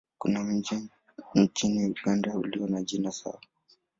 Kuna mji nchini Uganda ulio na jina sawa.